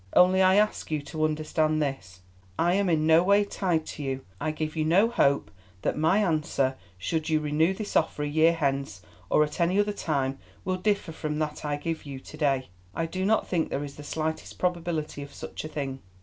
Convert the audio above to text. Only I ask you to understand this, I am in no way tied to you. I give you no hope that my answer, should you renew this offer a year hence or at any other time, will differ from that I give you to day. I do not think there is the slightest probability of such a thing.